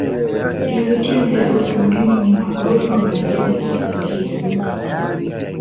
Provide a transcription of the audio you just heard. vivutio vya utamaduni ni magofu na majengo ya kihistoria